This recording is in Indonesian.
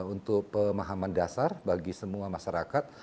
untuk pemahaman dasar bagi semua masyarakat